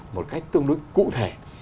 một cách tương đối cụ thể